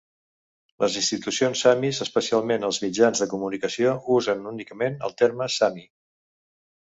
Les institucions samis, especialment els mitjans de comunicació, usen únicament el terme sami.